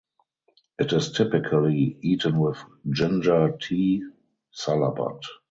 It is typically eaten with ginger tea ("salabat").